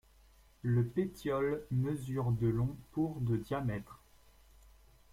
Le pétiole mesure de long pour de diamètre.